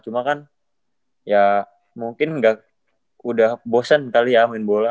cuma kan ya mungkin udah bosen kali ya main bola